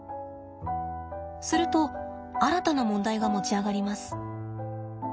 すると新たな問題が持ち上がります。